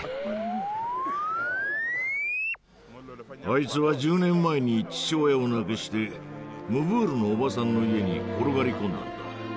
あいつは１０年前に父親を亡くしてムブールのおばさんの家に転がり込んだんだ。